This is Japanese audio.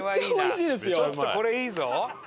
ちょっとこれいいぞ！